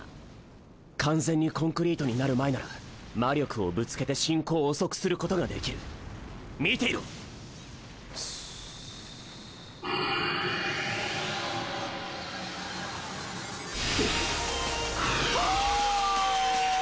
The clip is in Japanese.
完全にコンクリートになる前なら魔力をぶつけて進行を遅くすることができる見ていろスゥフオォォォオオオオオオオ！